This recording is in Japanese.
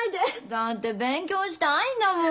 だって勉強したいんだもん。